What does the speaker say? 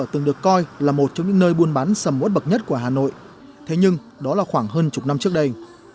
hà nội là một trong những nơi buôn bán sầm mốt bậc nhất của hà nội thế nhưng đó là khoảng hơn chục năm trước đây